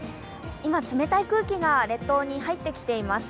今冷たい空気が列島に入ってきています。